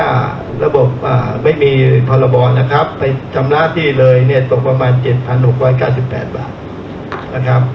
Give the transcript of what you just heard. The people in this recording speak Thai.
แต่ถ้าระบบไม่มีพรบอนะครับไปสำนาจที่เลยตกประมาณ๗๖๙๘บาท